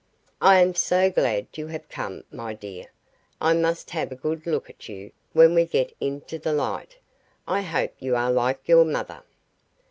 "I am so glad you have come, my dear. I must have a good look at you when we get into the light. I hope you are like your mother."